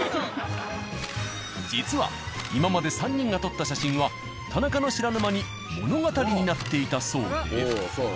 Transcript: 実は今まで３人が撮った写真は田中の知らぬ間に物語になっていたそうで。